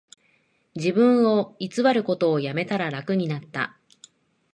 自分を偽ることをやめたら楽になった